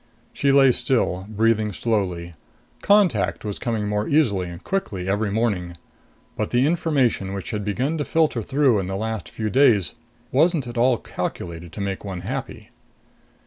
She lay still, breathing slowly. Contact was coming more easily and quickly every morning. But the information which had begun to filter through in the last few days wasn't at all calculated to make one happy.